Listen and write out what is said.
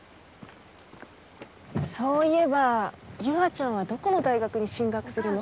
そういえば優愛ちゃんはどこの大学に進学するの？